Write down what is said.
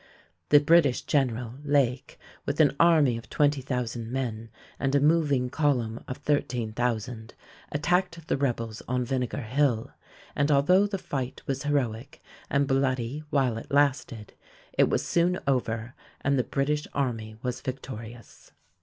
The British general, Lake, with an army of 20,000 men and a moving column of 13,000, attacked the rebels on Vinegar Hill, and although the fight was heroic and bloody while it lasted, it was soon over and the British army was victorious.